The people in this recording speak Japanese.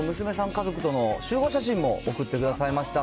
家族との集合写真も送ってくださいました。